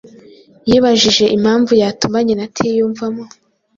Yibajije impamvu yatuma “Nyina atiyumvamo,